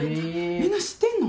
みんな知ってるの！？